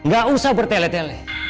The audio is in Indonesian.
gak usah bertele tele